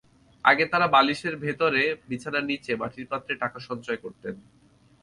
আগে তাঁরা বালিশের ভেতরে, বিছানার নিচে, মাটির পাত্রে টাকা সঞ্চয় করতেন।